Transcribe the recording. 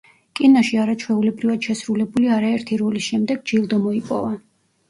კინოში არაჩვეულებრივად შესრულებული არაერთი როლის შემდეგ ჯილდო მოიპოვა.